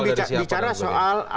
jadi ini kan bicara soal